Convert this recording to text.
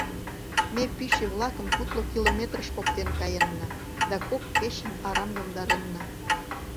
Ме пӱчӧ-влакым кудло километрыш поктен каенна да кок кечым арам йомдаренна.